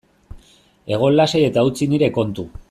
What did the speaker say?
Egon lasai eta utzi nire kontu.